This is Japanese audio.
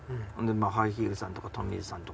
ハイヒールさんとかトミーズさん。